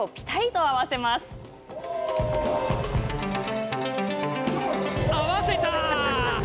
合わせた。